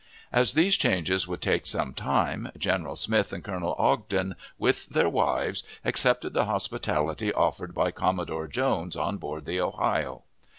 As these changes would take some time, General Smith and Colonel Ogden, with their wives, accepted the hospitality offered by Commodore Jones on board the Ohio.